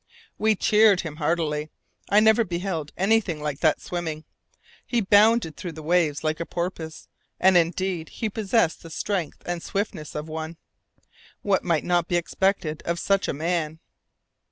We cheered him heartily. I never beheld anything like that swimming. He bounded through the waves like a porpoise, and indeed he possessed the strength and swiftness of one. What might not be expected of such a man!